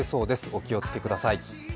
お気をつけください。